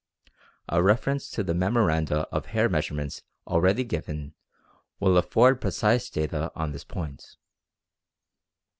A reference to the memoranda of hair measurements already given will afford precise data on this point.